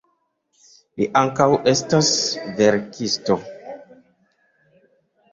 Li ankaŭ estas verkisto.